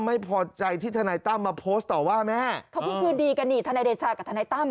ไม่พอใจที่ทนายตั้มมาโพสต์ต่อว่าแม่เขาเพิ่งคืนดีกันนี่ทนายเดชากับทนายตั้ม